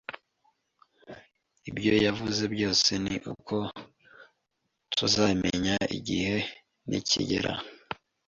Ibyo yavuze byose ni uko tuzamenya igihe nikigera.